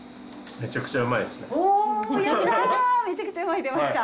めちゃくちゃうまい出ました。